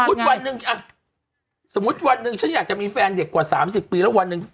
วันหนึ่งสมมุติวันหนึ่งฉันอยากจะมีแฟนเด็กกว่า๓๐ปีแล้ววันหนึ่ง